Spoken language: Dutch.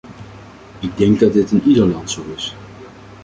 Ik denk dat dit in ieder land zo is.